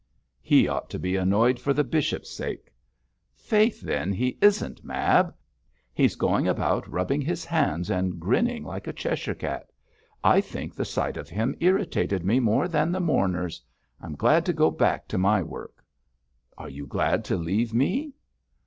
'He ought to be annoyed for the bishop's sake.' 'Faith, then, he isn't, Mab. He's going about rubbing his hands and grinning like a Cheshire cat. I think the sight of him irritated me more than the mourners. I'm glad to go back to my work.' 'Are you glad to leave me?'